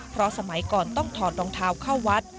เพราะสมัยก่อนต้องถอดรองเท้าเข้าวัด